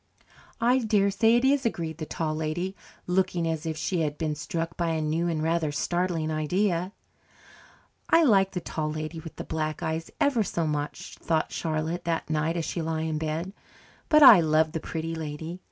"I dare say it is," agreed the Tall Lady, looking as if she had been struck by a new and rather startling idea. I like the tall lady with the Black Eyes ever so much, thought Charlotte that night as she lay in bed, but I love the Pretty Lady.